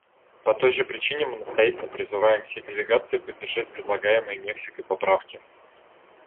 По той же причине мы настоятельно призываем все делегации поддержать предлагаемые Мексикой поправки.